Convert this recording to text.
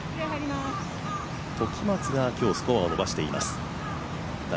時松が今日スコアを伸ばしています。